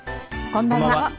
こんばんは。